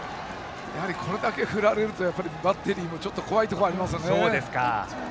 これだけ振られるとバッテリーも怖いところがありますね。